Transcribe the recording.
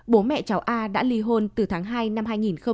bố mẹ cháu a đã ly hôn từ tháng hai năm hai nghìn hai mươi